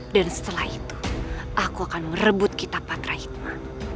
dan setelah itu aku akan merebut kitab patrihidma